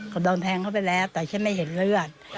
ก็โดนแทงเข้าไปแล้วแต่ฉันไม่เห็นเลือด